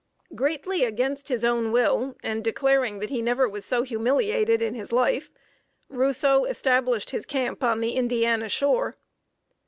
Greatly against his own will, and declaring that he never was so humiliated in his life, Rousseau established his camp on the Indiana shore.